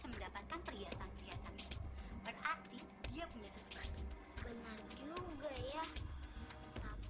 ah mendingan kita cari budak cantik yang diminta ibu dari kamu